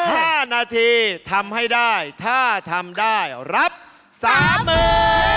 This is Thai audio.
ห้านาทีทำให้ได้ถ้าทำได้รับสามหมื่น